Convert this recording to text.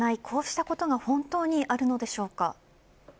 こうしたことが本当にあるのでしょうか。